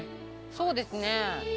そうですね。